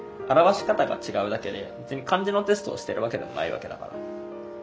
表し方が違うだけで別に漢字のテストをしてるわけでもないわけだから。